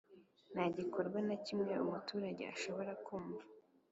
Nta gikorwa na kimwe umuturage ashobora kumva